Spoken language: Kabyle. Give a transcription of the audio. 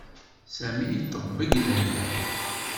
Sami iṭebbeg Layla.